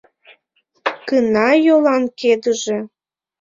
Кына йолан кедыже